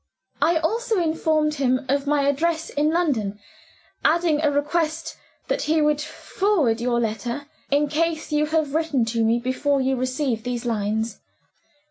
I also informed him of my address in London: adding a request that he would forward your letter, in case you have written to me before you receive these lines.